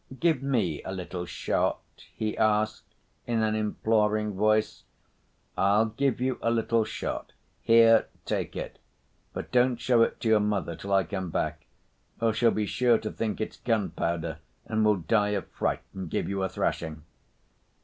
"Give me a little shot," he asked in an imploring voice. "I'll give you a little shot; here, take it, but don't show it to your mother till I come back, or she'll be sure to think it's gunpowder, and will die of fright and give you a thrashing."